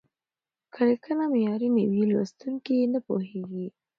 که لیکنه معیاري نه وي، لوستونکي یې نه پوهېږي.